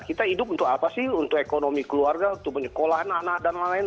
kita hidup untuk apa sih untuk ekonomi keluarga untuk menyekolah anak anak dan lain lain